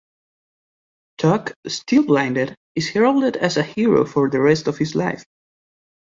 Tuck, still blinded, is heralded as a hero for the rest of his life.